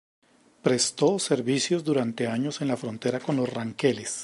Prestó servicios durante años en la frontera con los ranqueles.